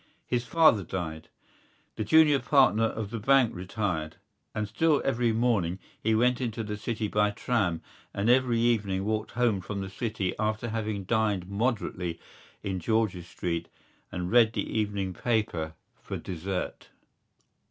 His father died; the junior partner of the bank retired. And still every morning he went into the city by tram and every evening walked home from the city after having dined moderately in George's Street and read the evening paper for dessert.